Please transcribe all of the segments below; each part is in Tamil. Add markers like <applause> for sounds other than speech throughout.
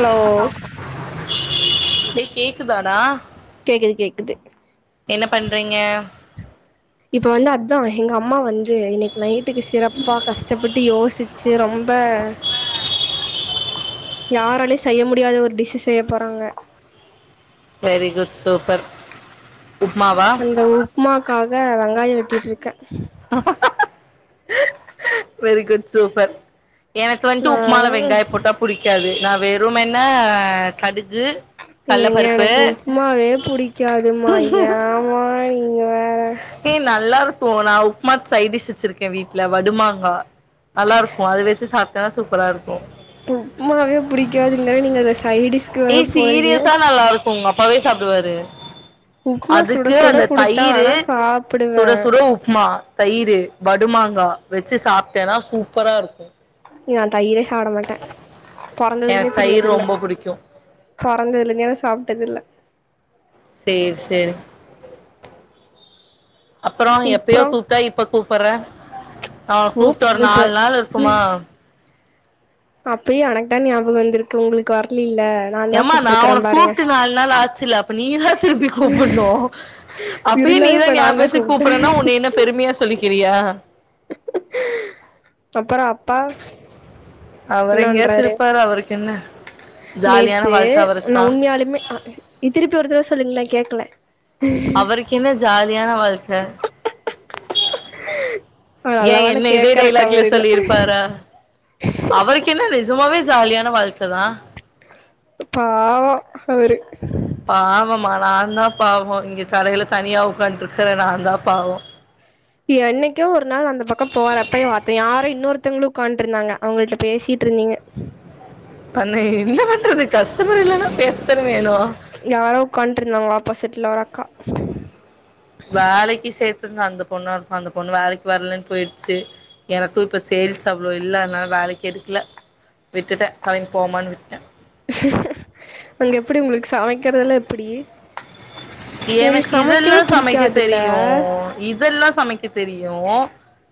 ஹலோ <inaudible> ஏ கேக்குதாடா கேக்குது கேக்குது என்ன பண்றீங்க இப்ப வந்து அ ன்னோஹ் எங்க அம்மா வந் து இன்னக்கு நைட்டுக்கு சிறப்பா கஷ்டப்பட்டு யோச் ச்சு ரொம்ப யாராலும் செய்ய முடியாத ஒரு டிஷ்ஷு செய்யப் போறாங்க வெரி குட் சூப்பர் உப்மாவா உப்புமாக்காக வெங்காயம் வெட்டிட்டுருக்கேன் வெரி குட் சூப்பர் எனக்கு நா வந்துட்டு உப்மால வெங்காயொ போட்டா புடிக்காது நா வெறும்மென கடி ஏங்க எனக்கு உப்மாவே புடிக்காதுமா ஏமா நீ ஹே நல்லா இருக்கு நா உப்மாக்கு சைட் டிஷ் வச்சிருக்கே வீட்ல வடுமாங்கா நல்லாருக்கு அது வெச்சி சாப்ட்டாதா சூப் பரா உப்மாவே புடிக்காதுங்குற நீங்க அதுல சைடிஸ்க்கு ஏ வேற போறீங்க சீரியஸா நல்லா இருக்கு உங்க அப்பாவே சாப்டுவாரு உப்மா சுட அதுக்கு சுட அந்த குடுத்தா தயிரு வேணா சாப்புடுவே சுட சுட உப்மா தயிரு வடுமா ங்கா வச்சு சாப்ட்டேன்னா சூப்பரா இருக்கு எ அண் தயிரே சாப்ட மாட்ட பொறந்ததுலேந்தே எனக்கு தயிர் தின்னதில்ல ரொம்ப புடிக்கு பொறந்ததுலேந்தே நா சாப்ட்டதில்ல சேரி சேரி அப்பறோ எப்பயோ இப்றோ கூப்ட்டா இப்ப கூப்புர்ற அவ கூப் கூப்ட்டு ஒரு இப்ப நால் நாள் இருக்குமா அப்பயே எனக்குதா ஞாபகொ வந்துருக்கு உங்களுக்கு வர்லி ஏம்மா நா ஒனக் கூப்ட்டு நால் நாள் ஆச்சுல்ல அப்ப நீதா திருப்பி கூப்புண்ணு அப்பயே இருந்தாலு நீதா இப்ப நா ஞாபொ தா வச்சு கூப்ட்டே கூப்புட்றன்னா உன்னைய என்ன பெருமையா சொல்லிக் கிறியா அப்பறோ அப் பா அவரு என்ன எங்கயாச்சு பண்றாரு இருப்பாரு அவருக்கு என்ன ஜாலியான நேத்து வாழ்க்க நா அவருக்குதா உண்மையாலுமே அ அ திருப்பி ஒருத்தரவ சொல்லுங்கள கேக் க்ல அவருக்கு என்ன ஜாலியான வாழ்க்க ஆ நல்ல ஏ வேல என்ன இதே கேக்கறக்கு டைலாக்ல அவரு இல்ல சொல்லியிருப்பாரா அவருக்கென்ன சும்மாவே ஜாலியான வாழ்க்கதா பாவொ அவரு பாவமா நாந்தா பாவொ இங்க கடையில தனியா உக்கான்ட்ருக்குற நாந்தா பாவொ என்னைக்கோ ஒரு நாள் அந்த பக்கம் போறப்ப பாத்தே யாரோ இன்னொருத்தவுங்களு உக்காண்ட்ருந்தாங்க அவுங்கள்ட்ட பேசியிட்ருந்தீங்க அப்ப நா என்ன பண்றது கஸ்டமர் இல்லன்னா பேசத்தான வேணு யாரோ உக்காண்ட்ருந்தாங்களா ஆப்போசிட்ல ஒரு அக்கா வேலக்கி சேத் ட்டுங்க அந்த பொண்ணாருக்கு அந்த பொண்ணு வேலைக்கு வர்லன் போயிர்ச்சு எனக்கு இப்ப சேல்ஸ் அவ்ளோ இல்ல அதனால வேலைக்கு எடுக்கல விட்டுட்ட தலைங்க் போமான்னு விட்டுட்டே அங்க எப்படி உங்களுக்கு சமைக்கறதெல்லா எப்புடி எனக்கு இதெல்லா சமைக்க புடிக்காதுல்ல தெரியு இதெல்லாஸ் சமைக்க தெரியு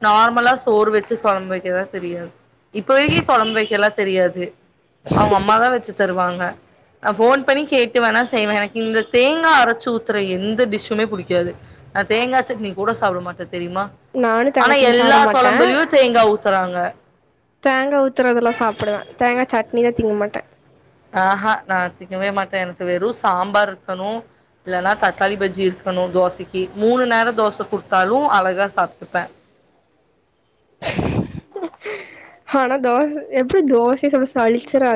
நார்மலா சோறு வச்சு கொழம்பு வைக்கதா தெரியாது இப்ப வரைக்கு கொழம்பு வைக்கலா தெரியாது அவங்க அம்மாதா வச்சு தருவாங்க அ ஃபோன் பண்ணி கேட்டு வேணா செய்வ எனக்கு இந்த தேங்கா அரைச்சு ஊத்துற எந்த டிஷ்ஷுமே புடிக்காது அ தேங்கா சட்னி கூட சாப்ட மாட்ட நானு தேங்கா திர்வி சாப்ட மாட்ட கொழம்புலயு தேங்கா ஊத்துறாங்க தேங்கா ஊத்துறதெல்லா சாப்டுவ தேங்கா சட் னிவே திங்க மாட்ட ஆஹா நா திங்கவே மாட்ட எனக்கு வெறு சாம்பார் இருக்கணு இல்லன்னா தக்காளி பஜ்ஜி இருக்கணு தோசைக்கு மூணு நேரோ தோச குடுத்தாலு அழகா சாப்டுப்ப ஆனா தோச எப்டி தோசை சாப்டு சளிச்சிரா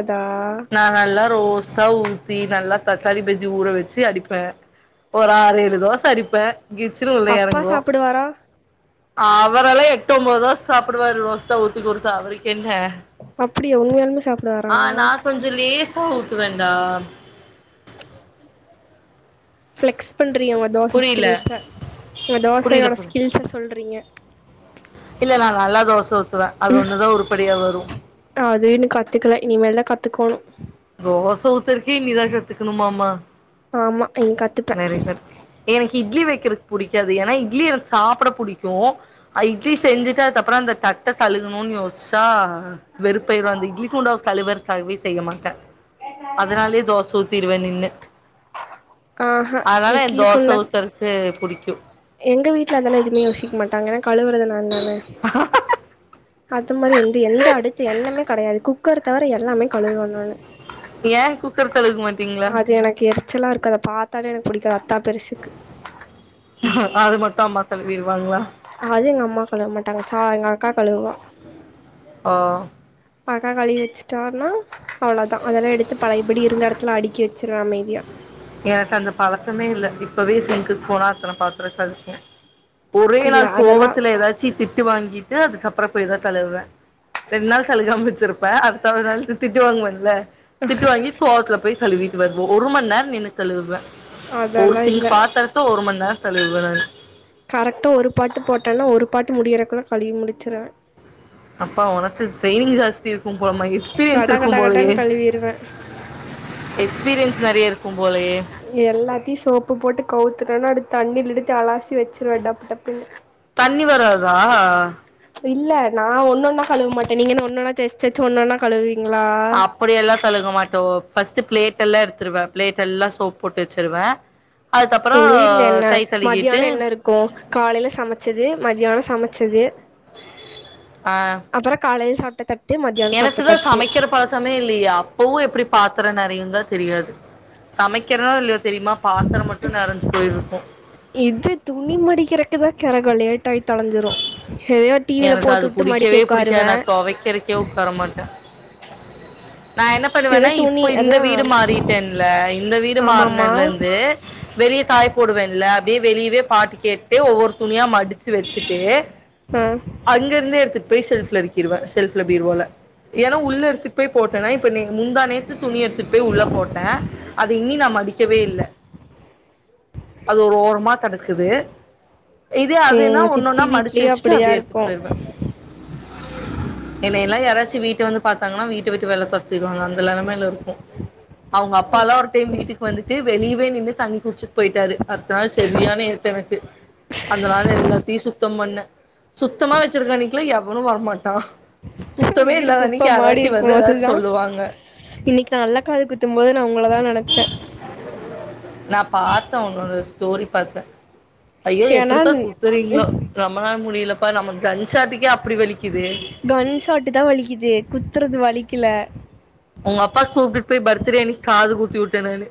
நாங்க எல்லாரு ஓஸ்தா ஊ தீ நல்லா தக்காளி பேஜ்ஜி ஊற வச்சு அடிப்ப ஒரு ஆறு ஏழு தோச அடிப்ப கிச்சனு அப்பா உள்ளேயாறுங்கோ சாப்டுவாரா ஆவ்த் வரலே எட்டு ஒம்போது தா சாப்டுவாரு ரோஸ் சௌதிக் ஒரு ஃபேவரட் என்ன அப்டியா உண்மையாலுமே சாப்டுவாரா லேசா ஊத்துவேன்டா ஃபளெக்ஸ் பன் தெரியோ உன் தோச புரில ஸ்கில்ஸா உங்க புரில தோசையோட புரில ஸ்கில்ஸா சொல்ற ரிங்க இல்ல நா நல்லா தோச ஊத்துவே அது ஒன்னுதா உருப்டிபயா வரோ கத்துகோணோ தோச ஊத்தர்கே இனிதா கத்துக்குனுமா மா ஆமா இனி கத்துப்பே எனக்கு இட்லி வெக்கிறக் புடிக்காது ஏன்னா இட்லி எனக்கு சாப்ட புடிக்கோ ஐ இட்லி செஞ்சிட்டு அதுக்கப்றோ அந்த தட் ட கழுவுனும்னு யோசிச்சா அ வெறுப்பாயிருவே இந்த இட்லிக்கு குண்டா கழுவர் அதுக்காகவே செய்ய மாட்டே அதனாலயே தோச ஊத்திருவே நின்னு ஆஹா அதனால என் தோச இட்லிக்குள்ள ஊத்தருக்கு புடிக்கியூ எங்க வீட்ல அதெல்லா எதுவுமே யோசிக்க மாட்டாங்க ஏனா கழுவுறது நான் தான அது மாறி எந்து எந்த அடுத்து எண்ணமே கடையாது குக்கர தவிர எல்லாமே கழுவனுணானு என் குக்கர் செலவுக்கு மாட்டீங்களா ச்சலா இருக்கு அத பாத்தாலே எனக்கு புடிக்காது தா பெரிசிக்கு அது மட்டு அம்மா கழுவிருவாங்களா அது எங்க அம்மா கழுவ மாட்டாங்க சாங்காலக்கா கழவுவா ஓ பக்கக் கழிவி வெச்சுட்டார்னா அவ்ளோதா அதெல்லா எடுத்து பழையபடி இருந்த எடத்துல அடிக்கி வ ஏன்ட அந்த பழக்கமே இல்ல இப்பவே சிங்க்குக் போனா அத்தன பாத்ரொம் கெடக்கும் ஒரே இல்ல நாள் அதெல்லா கோவத்துல எதாச்சி திட்டு வாங்கி டு அதுக்கப்பறம் போய் தான் தழுவுவேன் ரெண்டு நாள் சலுகாமிச்சிருப்போ இப்ப அடுத்தாவுது நாள் திட்டு வாங்குவன்ல திட்டு வாங்கி கோவத்துல போய் கழுவீட்டு வ ஒரு மண் நேரோ நின்னு கழுவுவே ஒரு அதெல்லா இல்ல சிங்க் பாத்தரத்த ஒரு மண் நேர் கழுவுறே கரெக்டா ஒரு பாட்டு போட்டேன்னா ஒரு பாட்டு முடியறக்குள கழுவி முடுச்சுருவே அப்பா ஒனக்கு ட்ரெய்னிங் ஜாஸ் தி இருக்கும் போலமா எக்ஸ்பீரியன்ஸ் கட கட இருக்கும் போலயே கடன்னு கழுவிருவே எக்ஸ்பீரியன்ஸ் நெறைய இருக்கும் போலயே எல்லாத்தியு சோப்பு போட்டு கவுத் துக்கன்ன அடுத் தண்ணிலிடுத்து அலாசி வச்சுருவே டப்பு டப்புன்னு தண்ணி வராதா இல்ல நா ஒன்னொன்னா கழுவ மாட்டே நீங்க என்னா ஒன்னொன்னா தேச்சு தேச்சு ஒன்னொன்னா கழுவு வீ அப்படியல்லா கழுக மாட்டோ ஃபஸ்ட்டு ப்ளேட்டெல்லா எடுத்துருவே ப்ளேட் எல்லா சோப் போட்டு வச்சுருவே எங்க வீட்ல என்ன மத்யான என்ன இருக்கு காலைல சமச்சது மத்யானொ சம ச்சது ஆ அப்பறோ காலேல சாப் டத் தட் எனக்குதா சமைக்கிற பழக்கமே இல்லயே அப்பவு எப்புடி பாத்தரோ நெ றயுந்தா தெரியாது சமைக்கிறனோ இல்லயோ தெரியுமா பாத்தரம் மட்டு நெறஞ்சு போயிருக்கு இது துணி மடிக்கிறக்குதா கெரகோ லேட் ஆய் தொலஞ்சுரு எனக்கு அது புடிக்கவே புடிக்காது நா தொவைக்கறக்கே உக்காரமாட்டே நா என்ன எதோ பண்ணுவேன்னா துணி இப்போ இந்த அதா வீடு மாறிட்டேன்ல இந்த வீடு ஆமாமா மாறுனதுலந்து வெளிய காய போடுவேல்ல அப்டியே வெளியவே பாட்டு கேட்டு ஒவ்வொரு துணியா மடுச்சு வெச்சுட்டு ஆ அங்கருந்து எடுத்துட் போய் ஷெல்ப்ல அடுக்கிருவன் ஷெல்ப்லபீர்வோல ஏன்னா உள்ள எடுத்துட்டு போய் போட்டனா இப்ப முந்தா நேத்து துணி எட்த்துட் போய் உள்ள போட்டே அத இனி நா மடிக்கவே இல்ல அது ஒரு ஓரமா தடுக்குது இதே அதுன்னா எங்க ஒன்னொன்னா சித்தி மடிச்சு வீட்லயு வெச்சுட்டு அப்டிதா அப்டே எடு <unintelligible> இருக்கு ல்லா யாராச்சு வீட்ட வந்து பாத்தாங்னா வீட்ட விட்டு வெள்ல தொரத்திருவாங்க அந்த லெலமைல இருக்கு அவ்ங்க அப்பாலா ஒரு டைம் வீட்டுக்கு வந்துட்டு வெளிவ் வே நின்னு தண்ணி குட்ச்சுட் போயிட்டாரு அட்த்த நாள் செரியான ஏத்து எனக்கு அந்த நாள்ல எல்லாத்தையு சுத்தம் பண்ணே சுத்தமா வச்சிருக்கன்னைக்குலா எவனு வரமாட்டா சுத்தமே வீடு இல்லாத குப்ப அன்னைக்கு மாரி யாராச்சு இருக்கு வந்து ஏதாச்சு அதுதா சொல்லுவாங்க இன்னக்கி நா அல்ல காது குத்தும் போது நா உங்களதா நெனச்சே நா பாத்த ஒன்னோட ஸ்டோரி பாத்த ஐயோ ஏன்னா எப்டித்தா குத்துறீங்ளோ நம்மனால முடிய்ல ப்ப நம்ம கன்ஷாட்டுகே அப் கன் ஷாட்டு தா வலிக்கிது குத்துறது வலிக் கிள்ள ஒங்க அப்பாக் கூப்டுட் போய் பர்த்ரேனு காது குத்திவுட்டே நானு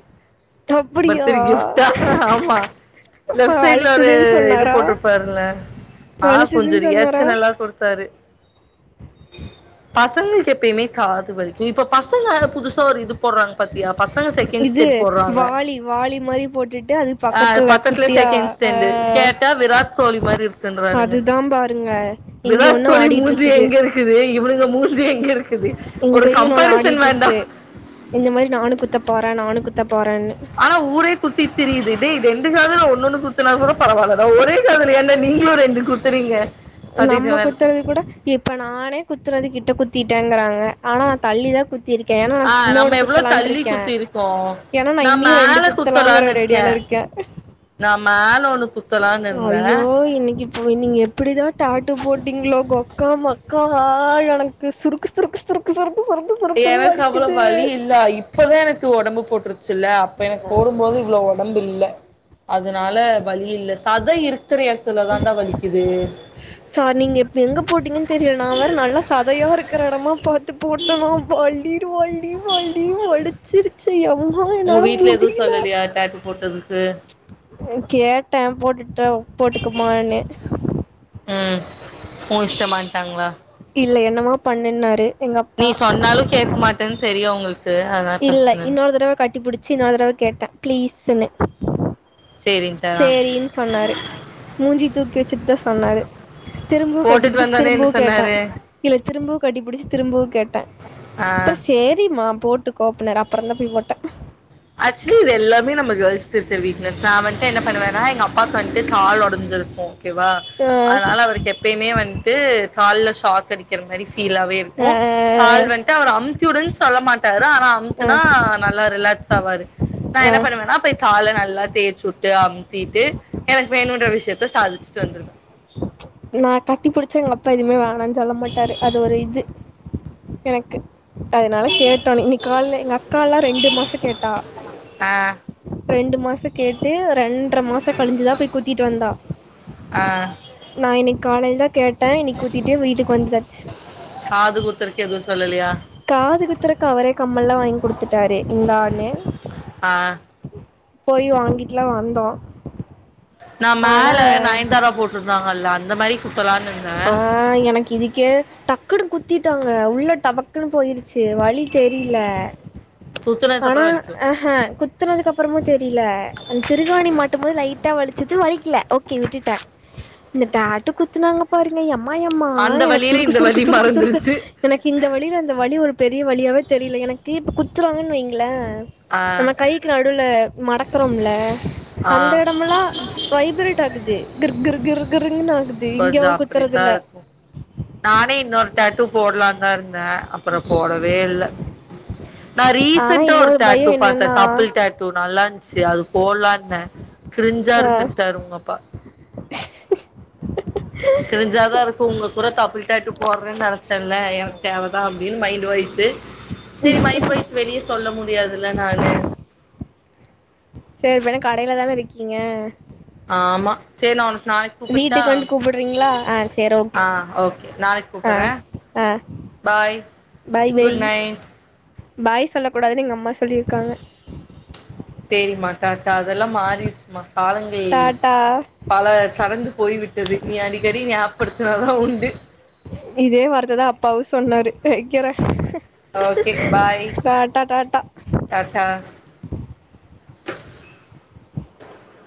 அப்டியா பர்திரி கிஃப்டா ஆமா லெஃப் சைட்ல ஒரு வலிச்சதுன்னு இது சொன்னாரா போட்ருப்பாருல ஆ கொஞ்ச வலிச்சதுன்னு சொன்னாரா ரியாக்ச்சல்லா கொடுத்தாரு கொழந்தைங்கள்க்கு எப்பயுமே காது வலிக்கு இப்ப பசங்க புதுசா ஒரு இது போட்றாங்க பத்தியா பசங் இது வாலி வாலி மாரி போட்டுட்டு அது ஆ பக்கத்துல குட்டியா செகண்ட் ஸ்டெண்டு அஹ் கேட்டா விராட் கோலி மாரி இருக்குன்றானுங்க அதுதா பாருங்க இங்க விராட் ஒன்னு கோலி மூஞ்சி ஆடிட்ருக்குது எங்க இருக்குது இவனுங்க மூண் இது எங்கருக்குது ஒரு கம் ஆஹ் ஆடிட்ருக்கு இந்த மாரி நானு குத்த போறே நானு குத் ஆனா ஊரே குத்திட்திரியுது டே இதென் <unintelligible> காதுல ஒன்னொன்னு குத்துனா கூட பரவாலடா ஒரேகாதுல என்டா நீங்ளு ரெண்டு குத்துறீங்க அப்டின்ற நம்ம மாரி இருக்கு குத்துறது கூட இப்ப நானே குத்துறது கிட்ட குத்திட் டேங்குறாங்க ஆனா தள்ளி தா குத் ஆஹ் நம்ம எவ்ளோ தள்ளி குத்திருக்கோ ஏன்னா நா இன்னியு மேல ரெண்டு குத்தலாங்கிற குத்தலான் இருக்கே ரெடியால நா மேல ஒன்னு குத்தலான் இருந்தே ஓய் நீங்க எப்டிதா டாட்டோ போட்டிங்ளோ கொக்கா மக்கா ஆஹ் எனக்கு சுருக்கு சுருக்கு சுருக்கு சுருக் எனக்கு அவளோ வலி இல்ல இப்பதா எனக்கு ஒடம்பு போட் சில்ல அப்ப எனக்கு போடும்போது இவ்ளோ ஒடம்பில்ல சத இருக்கிற எடத்துல தாண்டா வலிக்குது சார் நீங்க எப்ப எங்க போட்டீங்கன்னு தெரியல நா வேற நல்லா சதையா இருக்கிற எடமா பாத் த்து போட்டனு வலி வலி வலி வலிச்சிருச்சு எ உங் வீட்ல எதுவு சொல்லலையா டேட்டு போட்டதுக் கு கேட்டே போட்டுட்ட போட்டுக்கமானு ம் உ இஷ்டமான்ட்டாங்களா இல்ல என்னமோ பண்ணுன்னாரு எங்கள் நீ அப்பா சொன்னாலு கேக்க மாட்டேன்னு தெரியு அவுங்ளுக் இல்ல இன்னொரு தடவ கட்டிப்பிடிச் சின்னோதரவ கேட்ட ப்ளீஸ்ன்னு சேரின்ட்டாரா சேரின் சொன்னாரு மூஞ்சி தூக்கி வச்சுதாஸ் சொன்னாரு திரும்பவு போட்டுட்டு கட்டிபிடிச்சு வந்தோனே என்ன திரும்பவு கேட்ட சொன்னாரு இல்ல திரும்பவு கட்டிபிடிச்சு திரும்பவு கேட்ட ஆ அப்புற சேரிம்மா போட் கோப்பனரா அப்புறந்தா போய் போட்ட ஆக்சுவலி இதுல்லாமே நம்ம கேள்ஸ் சிறு சிறு வீக்னஸா வன் என்ன பண்ணுவேன்னா எங்க அப்பாக்கு வந்துட்டு கால் ஒடைஞ்சிருக்கு வா அஹ் அதனால அவருக்கு எப்பயுமே வண் து கால்ல ஷாக் அடிக்கிற மாரி பீலாவவே இருக்கு கால் அஹ் வந்துட்டு இருக்கு அவர் அம்த்திவிடுன்னு சொல்ல மாட்டாரு ஆனா அம்துனா அஹ் நல்லா ரிலாக்ஸ் ரு நா என்னா அஹ் பண்ணுவன்னா போய் கால நல்லா தேய்சுட்டு அமுத்திட்டு எனக்கு வேணும்ன்ற விஷய எத சாதிச்சுட்டு வந்துரு நா கட்டி புடிச்சு எங்கப்பா எதுவுமே வேணா ஜொல்ல மாட்டாரு அது ஒரு இது எனக்கு அதனால கேட்டோ இன்னைக்கு காலல எங்கக்கால்லா ரெண்டு மாச கேட்டா ஆ ரெண்டு மாசம் கேட்டு ரெண்ர மாச கழிஞ்சுதா போய் குத்திட்டு வந்தா ஆ க் காலையில்தா கேட் ட இன்னைக்கு குத்திட்டு வீட்டுக்கு வந்தாச்சு காது குத்துறக்கு எதுவும் சொல்லலையா காது குத்துற கவர கம்மல்லா வாங்கி குடுத்துட்டாரு எங்க ஆனு ஆ போய் வாங்கிட்டுலா வந்தோ நா மேல நயன்தாரா போட்ருந்தா அல்லான் ஆஹ் எனக்கு இதுக்கே டக்குனு குத்திட் விட்டாங்க உள்ள டபக்குன்னு போயிருச்சு வழி தெரில குத்துனதுக்கு ஆனா அப்புறோ வலிக்கு ஆஹஹ் குத் அப்பறமு சேரி தெரியல அந்த திருக்காணி மாட்டு போது லைட்டா வலிச்சுது வலிக்கல ஓகே விட்டுட்டே இந்த டாட் த்து குத்துனாங்க பாருங்க எம் யம்மா யம்மா அந்த எனக்கு வலியில சுருக்கு இந்த சுருக்கு வலி சுருக்கு சுருக்கு மறந்துருச்சு எனக்கு இந்த வழியில அந்த வழி ஒரு பெரிய வழியாவே தெரியல எனக் கிளிப் குத்துறாங்கனு வைங்களேன் ஹ ஆ நம்ம கைக்கு நடுல மடக் அப்பறோம்ல ஆ அந்த எடம்ல்லா வைப்ரேட் ஆகுது கிர் கிர் கிர் கிருன்னு ஆகுது இங்க கொஞ்சம் அவன் அப்படித்தான் குத்துறதுல இருக்கும் நானே இன்னொரு டாட்டு போடலாம் <unintelligible> ன் அப்புறம் போடவே இல்ல நான் ஆனா ரீசென்ட்டோ ஒரு இன்னொரு டேட்டு பயம் பாத்தேன் என்னன்னா கப்பில் டேட்டூ நல்லா சரி அது போலான்னே ஹ கிரிஞ்சா ஆ இருக்குன்னுடாரு உங்கப்பா. கிரிஞ்சாதான் இருக்கு உங்க கூட கப்பில்டாட்டூ போடுறேன்னு நெனைச்சேன்ல எனக்கு தேவைதான் அப்படின்னு மைண்ட் வைசு சரி மைண்ட் வாய்ஸ் வெளியே சொல்ல முடியாதுல நானு சரி இப்பென்னா கடையிலதான இருக்கீங்க ஆமாம் சரி நான் வீட்டுக்கு வந்து கூப்பிடுறீங்களா ஆஹ் செரி ஓகே ஆ ஓகே நாளைக்கு கூப்புட்றே ஆஹ் ஆஹ் bye bye bye good night bye சொல்ல கூடதுன்னு எங்க அம்மா சொ சொல்லியிருக்காங்க த த அதெல்லா மாறிருச்சு மா காலங்கள் டாட்டா பல தடந்து போய்விட்டது நீ அடிக்கடி ஞாபடுத்தினாதான் உண்டு இதே வார்த்ததா அப்பாவும் சொன்னாரு வைக்கறே okay bye tata tata tata